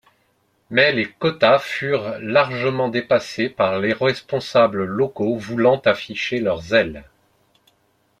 Mais les quotas furent largement dépassés par les responsables locaux voulant afficher leur zèle.